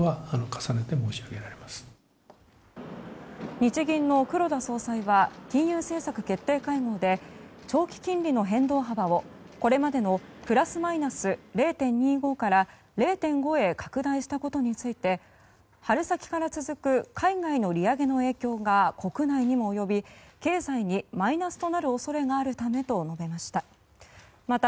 日銀の黒田総裁は金融政策決定会合で長期金利の変動幅を、これまでのプラスマイナス０．２５から０．５へ拡大したことについて春先から続く海外の利上げの影響が国内にも及び、経済にマイナスとなる恐れがあるためと述べました。